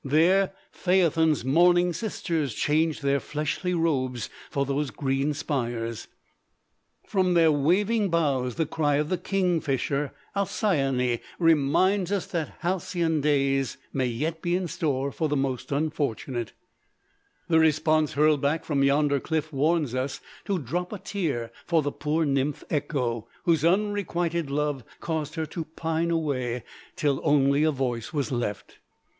There Phaëthon's mourning sisters changed their fleshly robes for those green spires. From their waving boughs the cry of the kingfisher Alcyone reminds us that [Illustration: CAVE OF THE WINDS.] halcyon days may yet be in store for the most unfortunate. The response hurled back from yonder cliff warns us to drop a tear for the poor nymph Echo, whose unrequited love caused her to pine away till only a voice was left.